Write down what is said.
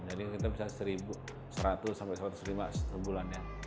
jadi kita bisa seratus sampai satu ratus lima sebulannya